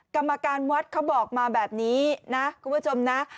กรรมการวัดเขาบอกมาแบบนี้นะคุณผู้ชมนะ